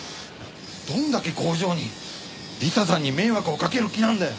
どんだけ工場に理彩さんに迷惑をかける気なんだよ。